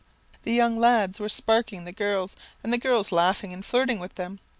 The young lads were sparking the girls, and the girls laughing and flirting with them.